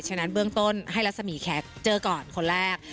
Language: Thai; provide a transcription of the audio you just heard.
ฉะนั้นเบื้องต้นให้รัศมีแคคเจอก่อนคนแรก